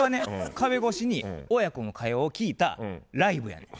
壁越しに親子の会話を聞いたライブやねん。